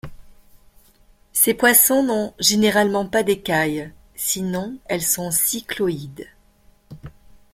Ces poissons n'ont généralement pas d'écailles, sinon elles sont cycloïdes.